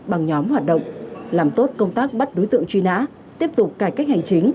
bằng nhóm hoạt động làm tốt công tác bắt đối tượng truy nã tiếp tục cải cách hành chính